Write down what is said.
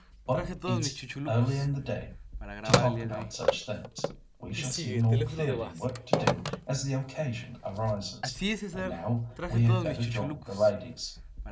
But it's early in the day to talk about such things. We shall see more clearly what to do as the occasion arises. And now, we had better join the ladies."